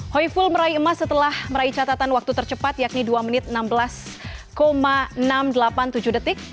hoi ful meraih emas setelah meraih catatan waktu tercepat yakni dua menit enam belas enam ratus delapan puluh tujuh detik